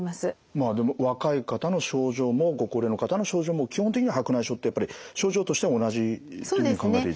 まあでも若い方の症状もご高齢の方の症状も基本的には白内障ってやっぱり症状としては同じというふうに考えていいんですか？